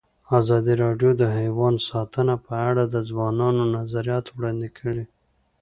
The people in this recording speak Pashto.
ازادي راډیو د حیوان ساتنه په اړه د ځوانانو نظریات وړاندې کړي.